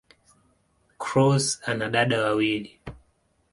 Cross ana dada wawili.